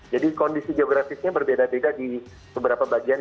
jadi kondisi geografisnya berbeda beda di beberapa bagian